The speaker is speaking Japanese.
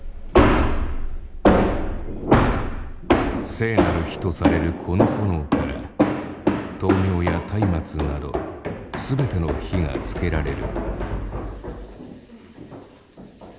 聖なる火とされるこの炎から灯明や松明など全ての火がつけられる。